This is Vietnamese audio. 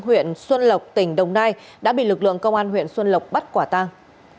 huyện xuân lộc tỉnh đồng nai đã bị lực lượng công an huyện xuân lộc bắt quả tang